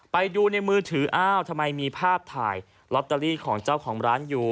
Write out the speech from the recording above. ไปดูในมือถืออ้าวทำไมมีภาพถ่ายลอตเตอรี่ของเจ้าของร้านอยู่